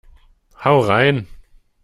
Hau rein!